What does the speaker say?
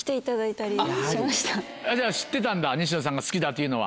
じゃあ知ってたんだ西野さんが好きだというのは。